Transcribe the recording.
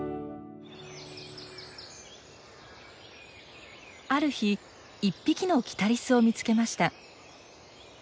ある日１匹のキタリスを見つけました。